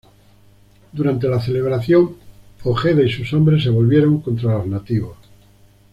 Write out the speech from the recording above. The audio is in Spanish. Durante la celebración Ojeda y sus hombres se volvieron contra los nativos.